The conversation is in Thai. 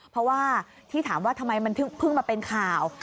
เพราะว่าที่ถามว่าทำไมมันเพิ่งมาเป็นข่าว